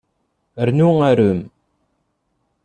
Rnu arem.